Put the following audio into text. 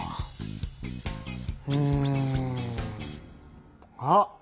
うん。あっ！